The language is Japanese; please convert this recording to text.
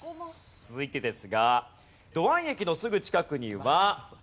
続いてですが。